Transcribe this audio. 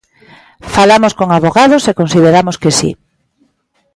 Falamos con avogados e consideramos que si.